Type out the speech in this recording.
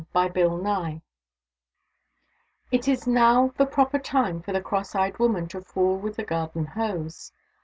It is now the proper time for the cross eyed woman to fool with the garden hose.